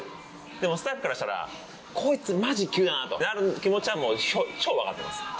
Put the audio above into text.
でもスタッフからしたら「こいつマジ急だな」となる気持ちは超わかってます。